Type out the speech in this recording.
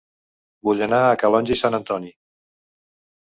Vull anar a Calonge i Sant Antoni